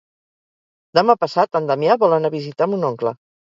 Demà passat en Damià vol anar a visitar mon oncle.